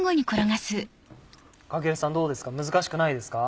駈さんどうですか難しくないですか？